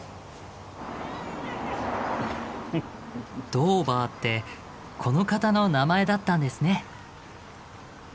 ＤＯＶＥＲってこの方の名前だったんですね。